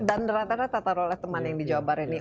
dan rata rata taruh oleh teman yang di jawa bar ini